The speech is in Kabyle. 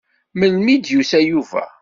Melmi i d-yusa Yuba?